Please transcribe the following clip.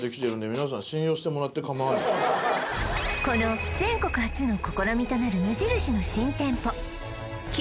この全国初の試みとなる無印の新店舗